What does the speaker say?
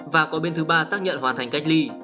và có bên thứ ba xác nhận hoàn thành cách ly